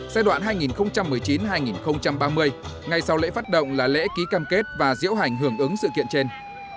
giai đoạn hai nghìn một mươi chín hai nghìn ba mươi ngay sau lễ phát động là lễ ký cam kết và diễu hành hưởng ứng sự kiện trên